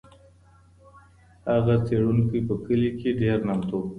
هغه څېړونکی په کلي کې ډېر نامتو و.